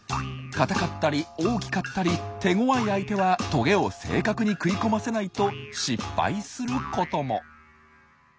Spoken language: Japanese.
硬かったり大きかったり手ごわい相手はトゲを正確に食い込ませないと失敗することも。